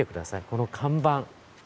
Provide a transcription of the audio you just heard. この看板。